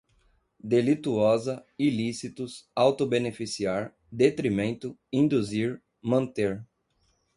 delituosa, ilícitos, auto-beneficiar, detrimento, induzir, manter